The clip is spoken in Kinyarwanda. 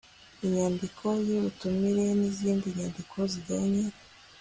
inyandiko y ubutumire n izindi nyandiko zijyanye